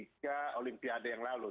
ketika olimpiade yang lalu